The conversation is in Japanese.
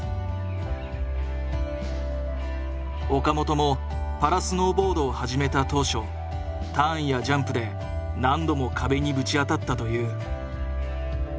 岡本もパラスノーボードを始めた当初ターンやジャンプで何度も壁にぶち当たったという。